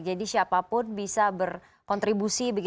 jadi siapapun bisa berkontribusi